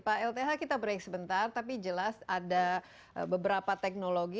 pak lth kita break sebentar tapi jelas ada beberapa teknologi